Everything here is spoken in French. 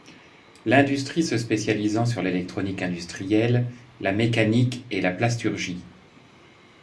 L'industrie se spécialisant sur l'électronique industrielle, la mécanique et la plasturgie.